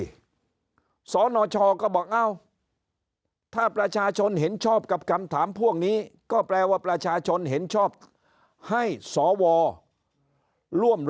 สนชก็บอกเอ้าถ้าประชาชนเห็นชอบกับคำถามพวกนี้ก็แปลว่าประชาชนเห็นชอบให้สวร่วม